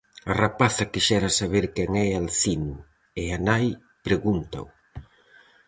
A rapaza quixera saber quen é Alcino, e a nai pregúntao.